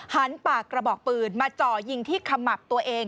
หันปากกระบอกปืนมาจ่อยิงที่ขมับตัวเอง